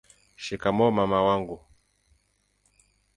shikamoo mama wangu